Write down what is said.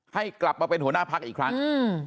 ให้กลับมาเป็นหัวหน้าพักอีกครั้ง